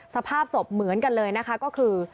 สภาพศพเหมือนกันเลยนะคะก็คือ